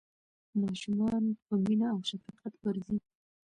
ماشومان په مینه او شفقت وروځئ.